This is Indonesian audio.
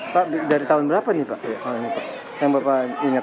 pak dari tahun berapa ini